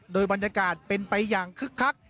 โดยบรรยากาศเป็นไปอย่างคึกคัก